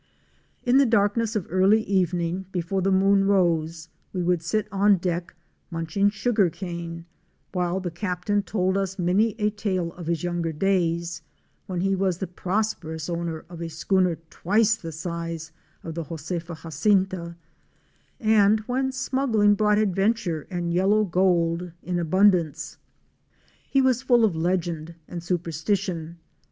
In the darkness of early evening, before the moon rose, we would sit on deck munching sugar cane while the Captain told us many a tale of his young days, when he was the prosperous owner of a schooner twice the size of the " Josefa Jacinta" and when smuggling brought adventure and yellow gold in abundance. He was full of legend and superstition.